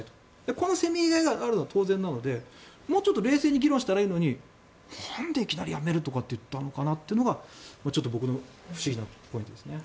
このせめぎ合いがあるのは当然なのでもうちょっと冷静に議論したらいいのになんでいきなり辞めるとかって言ったのかなっていうのが不思議なところですね。